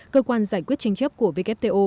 cơ quan giải quyết tranh chấp của wto